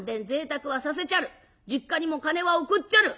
贅沢はさせちゃる実家にも金は送っちゃる。